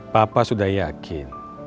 papa sudah yakin